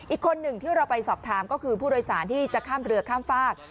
อีกคนหนึ่งที่เราไปสอบถามก็คือผู้โดยสารที่จะข้ามเรือข้ามฝาก